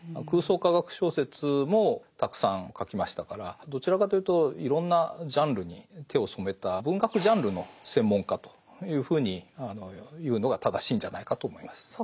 空想科学小説もたくさん書きましたからどちらかというといろんなジャンルに手を染めた文学ジャンルの専門家というふうに言うのが正しいんじゃないかと思います。